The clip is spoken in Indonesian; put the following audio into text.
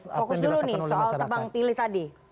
fokus dulu nih soal tebang pilih tadi